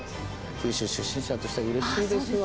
九州出身者としてはうれしいですわ。